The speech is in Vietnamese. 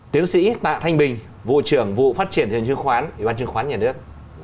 tiến sĩ tạ thanh bình vụ trưởng vụ phát triển thuyền chứng khoán ủy ban chứng khoán nhà nước